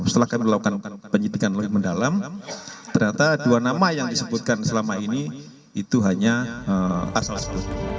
setelah kami melakukan penyidikan lebih mendalam ternyata dua nama yang disebutkan selama ini itu hanya asal sebut